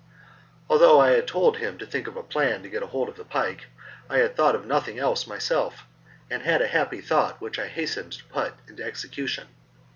Although I had told him to think of a plan to get hold of the pike, I thought of nothing else myself, and had a happy thought which I hastened to put into execution.